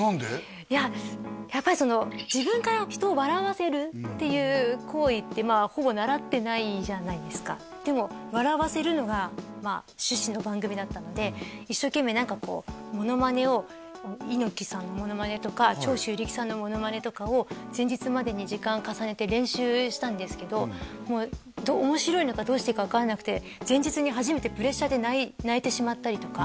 いややっぱり自分から人を笑わせるっていう行為ってまあほぼ習ってないじゃないですかでも笑わせるのがまあ趣旨の番組だったので一生懸命何かこうモノマネを猪木さんのモノマネとか長州力さんのモノマネとかを前日までに時間重ねて練習したんですけどもう面白いのかどうしていいか分からなくて前日に初めてうんでどうでした？